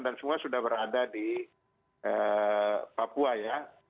dan semua sudah berada di papua ya